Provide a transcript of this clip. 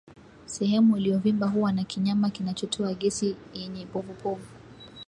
Sehemu iliyovimba huwa na kinyama kinachotoa gesi yenye povupovu